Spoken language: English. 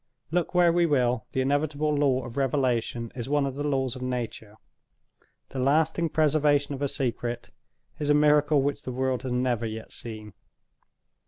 Look where we will, the inevitable law of revelation is one of the laws of nature: the lasting preservation of a secret is a miracle which the world has never yet seen.